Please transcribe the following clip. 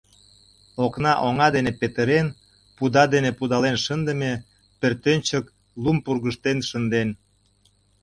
Окна оҥа дене петырен, пуда дене пудален шындыме, пӧртӧнчык лум пургыжтен шынден.